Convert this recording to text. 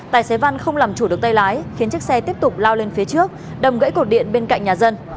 tài xế văn không làm chủ được tay lái khiến chiếc xe tiếp tục lao lên phía trước đầm gãy cột điện bên cạnh nhà dân